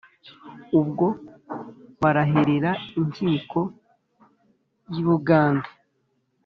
ubwo barahirira inkiko y'i bugande,